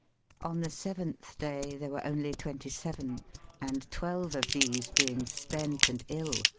On the seventh day, there were only twenty seven ; and twelve of these, being spent and ill.